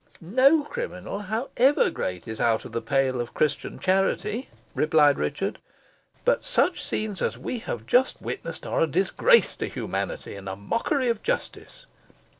"No criminal, however great, is out of the pale of Christian charity," replied Richard; "but such scenes as we have just witnessed are a disgrace to humanity, and a mockery of justice.